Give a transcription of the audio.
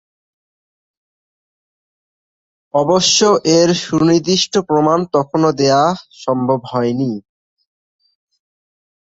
অবশ্য এর সুনির্দিষ্ট প্রমাণ তখনও দেয়া সম্ভব হয়নি।